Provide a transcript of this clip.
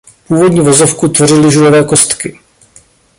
Původní vozovku tvořily žulové kostky.